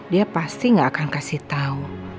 dia pasti gak akan kasih tahu